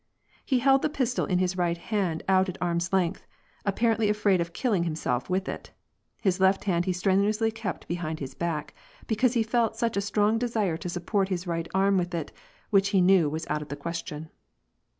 He held the pistol in his right hand out at arm.s length, apparently afraid of killing himself with it. His left hand he strenuously kept behind his back, because he felt such a strong desire to support his right arm with it, which he knew was out of the question.